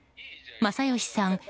正義さん